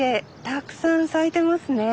たくさん咲いてますね。